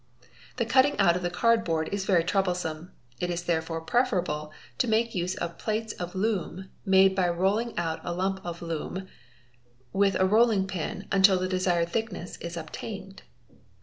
The cutting out of the card board is very troublesome, it is therefore preferable to make use of plates of loam made by rolling out a lump of loam with a rolling pin till the desired thickness is obtained.